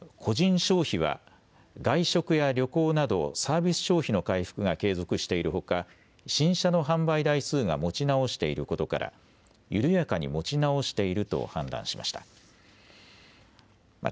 消費は外食や旅行などサービス消費の回復が継続しているほか、新車の販売台数が持ち直していることから緩やかに持ち直していると判断しました。